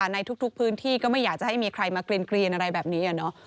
ในทุกพื้นที่ก็ไม่อยากจะให้มีใครมาเกลียนอะไรแบบนี้